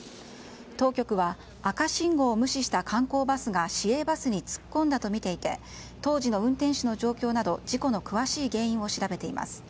当局は、赤信号を無視した観光バスが市営バスに突っ込んだと見ていて当時の運転手の状況など事故の詳しい原因を調べています。